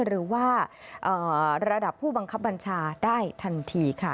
หรือว่าระดับผู้บังคับบัญชาได้ทันทีค่ะ